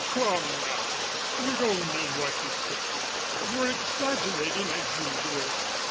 "Come now, you don't mean what you say. You're exaggerating as usual.